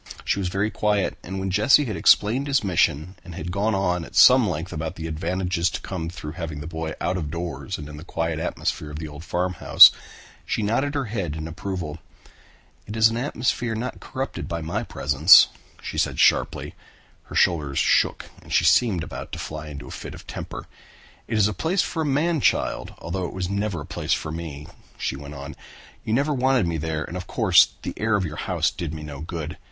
She was very quiet and when Jesse had explained his mission and had gone on at some length about the advantages to come through having the boy out of doors and in the quiet atmosphere of the old farmhouse, she nodded her head in approval. "It is an atmosphere not corrupted by my presence," she said sharply. Her shoulders shook and she seemed about to fly into a fit of temper. "It is a place for a man child, although it was never a place for me," she went on. "You never wanted me there and of course the air of your house did me no good.